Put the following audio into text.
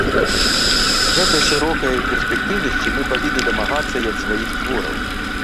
Гэтай шырокай перспектыўнасці мы павінны дамагацца і ад сваіх твораў.